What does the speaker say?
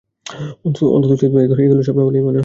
অন্তত, ওগুলো স্বপ্ন বলেই মনে হয়।